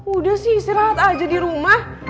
udah sih isi rahat aja di rumah